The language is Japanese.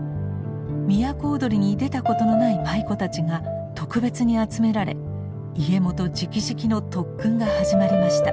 都をどりに出たことのない舞妓たちが特別に集められ家元じきじきの特訓が始まりました。